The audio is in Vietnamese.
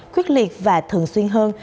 quyết liệt và thường xuyên hơn